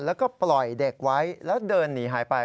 แล้วก็ปล่อยเด็กไว้แล้วเดินหนีหายไป